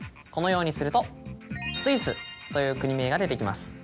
このようにするとスイスという国名が出てきます。